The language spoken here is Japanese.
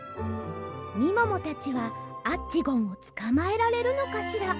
みももたちはアッチゴンをつかまえられるのかしら？